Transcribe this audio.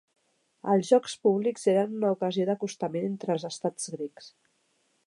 Els jocs públics eren una ocasió d'acostament entre els Estats Grecs.